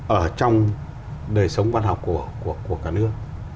ở trong đời sống văn học của cả nước